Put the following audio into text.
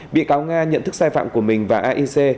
bị cáo nga nhận thức sai phạm của mình và aic